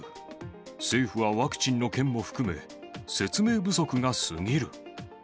政府はワクチンの件も含め、説明不足が過ぎる。